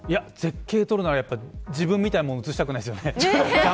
絶景を撮るのは自分みたいなものは写したくないですよね。